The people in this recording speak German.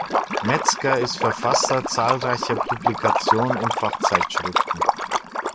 Metzger ist Verfasser zahlreicher Publikationen in Fachzeitschriften.